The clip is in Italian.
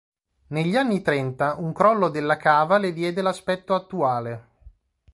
Negli anni trenta un crollo della cava le diede l'aspetto attuale.